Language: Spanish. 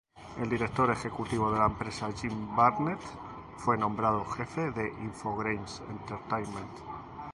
El director ejecutivo de la empresa, Jim Barnett, fue nombrado jefe de Infogrames Entertainment.